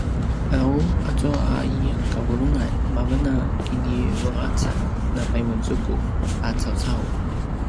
’aw azua a i kavulungan mavan a kinive’acan na payuanzuku a cawcau